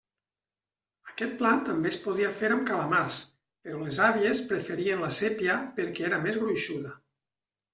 Aquest plat també es podia fer amb calamars, però les àvies preferien la sépia perquè era més gruixuda.